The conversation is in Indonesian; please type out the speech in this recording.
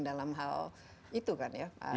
dalam hal itu kan ya